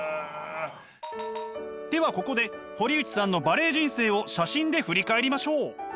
ではここで堀内さんのバレエ人生を写真で振り返りましょう！